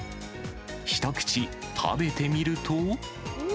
一口食べてみると。